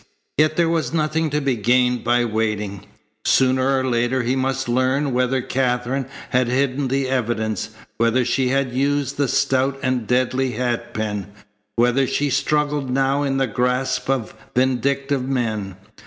Yet there was nothing to be gained by waiting. Sooner or later he must learn whether Katherine had hidden the evidence, whether she had used the stout and deadly hatpin, whether she struggled now in the grasp of vindictive men.